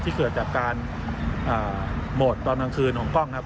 เกิดจากการโหวตตอนกลางคืนของกล้องครับ